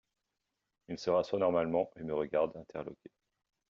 Il se rassoit normalement et me regarde interloqué.